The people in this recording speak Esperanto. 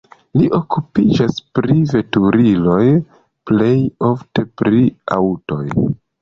Li okupiĝas pri veturiloj, plej ofte pri aŭtoj.